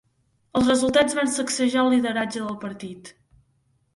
Els resultats van sacsejar el lideratge del partit.